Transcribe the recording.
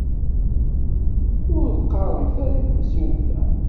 Ur ɣɣaremt ara i temsulta.